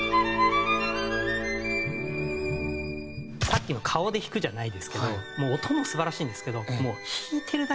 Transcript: さっきの「顔で弾く」じゃないですけどもう音も素晴らしいんですけど。